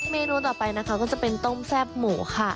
เมนูต่อไปก็จะเป็นต้มแซ่บหมูครับ